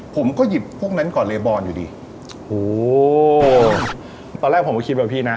ผมก็หยิบพวกนั้นก่อนเรบอลอยู่ดีโหตอนแรกผมก็คิดแบบพี่นะ